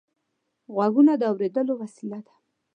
غوږونه د اورېدلو وسیله ده